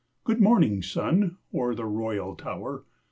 Good morning, sun, o'er the royal tower!